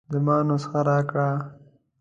زما نسخه راکه.